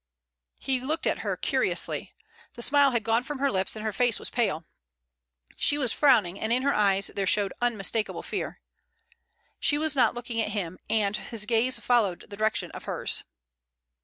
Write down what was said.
He looked at her curiously. The smile had gone from her lips, and her face was pale. She was frowning, and in her eyes there showed unmistakable fear. She was not looking at him, and his gaze followed the direction of hers.